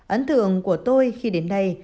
ấn tượng của tôi khi đến đây